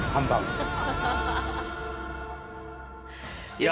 いや。